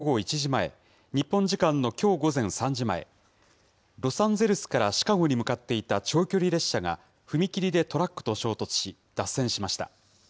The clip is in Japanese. アメリカ中西部ミズーリ州で、２７日午後１時前、日本時間のきょう午前３時前、ロサンゼルスからシカゴに向かっていた長距離列車が踏切でトラックと衝突し、脱線しました。